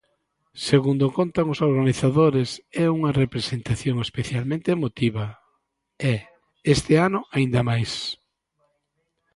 Segundo contan os organizadores, é unha representación especialmente emotiva e, este ano, aínda máis.